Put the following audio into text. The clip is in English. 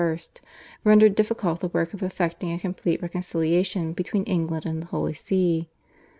rendered difficult the work of effecting a complete reconciliation between England and the Holy See.